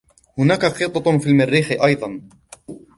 هناك قطط في المريخ أيضًا.